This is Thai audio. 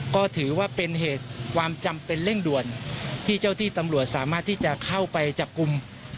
ก็ถือว่าเป็นเหตุความจำเป็นเร่งด่วนที่เจ้าที่ตำรวจสามารถที่จะเข้าไปจับกลุ่ม